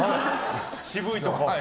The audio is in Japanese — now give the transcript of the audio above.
渋いとこ。